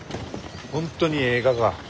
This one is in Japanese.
本当にえいがか？